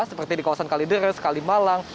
seperti di kawasan kalideres kalimalang